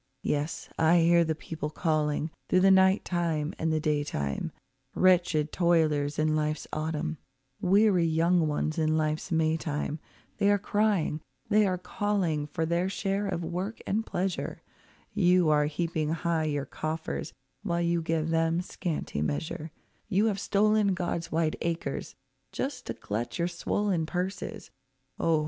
Yes, I hear the people calling, through the night time and the day time, Wretched toilers in life's autumn, weary young ones in life's May time— They are crying, they are calling for their share of work and pleasure; You are heaping high your coffers while you give them scanty measure,— You have stolen God's wide acres, just to glut your swollen purses— Oh!